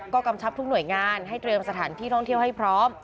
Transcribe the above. ก็กำชับทุกหน่วยงานให้เตรียมสถานที่ท่องเที่ยวให้พร้อม